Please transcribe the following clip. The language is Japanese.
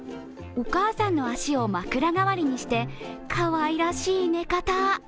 お母さんの足を枕代わりにしてかわいらしい根方。